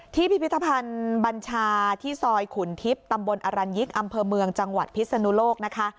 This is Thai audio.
พิพิธภัณฑ์บัญชาที่ซอยขุนทิพย์ตำบลอรัญยิกอำเภอเมืองจังหวัดพิศนุโลกนะคะ